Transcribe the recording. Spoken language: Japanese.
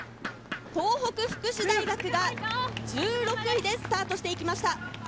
東北福祉大学が１６位でスタートしていきました。